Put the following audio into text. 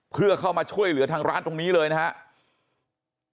เพื่อเข้ามาช่วยเหลือทางร้านตรงนี้เลยนะครับ